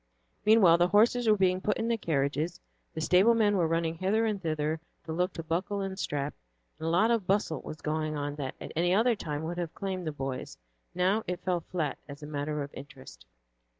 Meanwhile the horses were being put in the carriages, the stable men were running hither and thither to look to buckle and strap, and a lot of bustle was going on that at any other time would have claimed the boys. Now it fell flat, as a matter of interest.